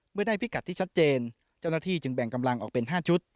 เมื่อได้พิกัดที่ชัดเจนเจ้าหน้าที่จึงแบ่งกำลังออกเป็น๕ชุด